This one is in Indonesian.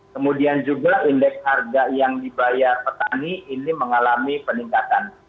kemudian juga indeks harga yang dibayar petani ini mengalami peningkatan